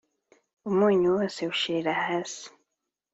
umunyu wose ushirira hasi.